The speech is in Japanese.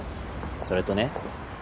それとね